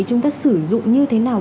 chúng ta sử dụng như thế nào